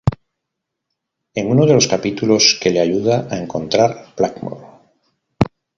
En uno de los capítulos, que le ayuda a encontrar Blackmore.